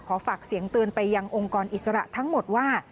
ฝากเสียงเตือนไปยังองค์กรอิสระทั้งหมดว่า